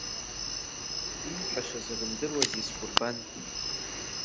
Ииҳәашаз рымдыруази скәырбан!